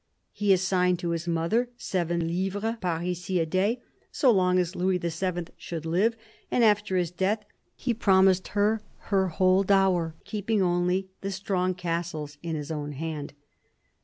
He assigned to his mother seven livres parisis a day so long as Louis VII. should live, and after his death he promised her her whole dower, keeping only the strong castles in his own hand.